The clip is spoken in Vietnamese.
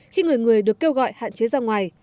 khi người người được kêu gọi hạn chế ra ngoài